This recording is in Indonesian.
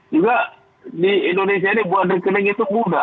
juga di indonesia ini buat rekening itu mudah